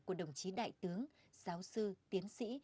của đồng chí đại tướng giáo sư tiến sĩ